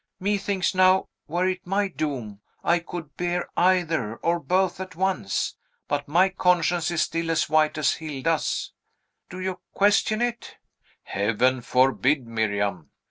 Methinks now, were it my doom, I could bear either, or both at once; but my conscience is still as white as Hilda's. Do you question it?" "Heaven forbid, Miriam!"